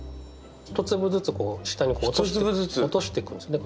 １粒ずつ下に落としていくんですね。